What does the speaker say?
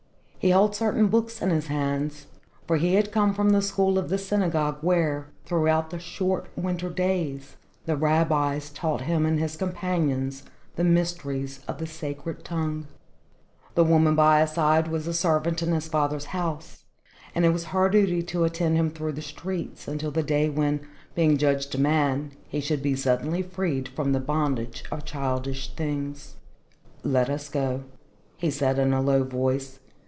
He held certain books in his hand, for he had come from the school of the synagogue where, throughout the short winter days, the rabbis taught him and his companions the mysteries of the sacred tongue. The woman by his side was a servant in his father's house, and it was her duty to attend him through the streets, until the day when, being judged a man, he should be suddenly freed from the bondage of childish things. "Let us go," he said in a low voice.